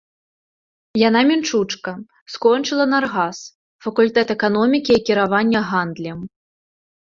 Яна мінчучка, скончыла наргас, факультэт эканомікі і кіравання гандлем.